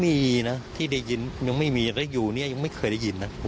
ไม่มีนะที่ได้ยินยังไม่มีแล้วอยู่เนี่ยยังไม่เคยได้ยินนะ